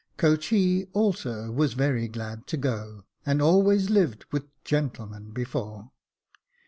Coachee also was very glad to go — had always lived with gentlemen before.